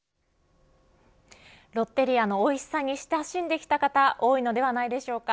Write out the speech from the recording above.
ロッテリアのおいしさに親しんできた方多いのではないでしょうか。